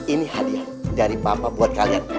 ini hadiah dari bapak buat kalian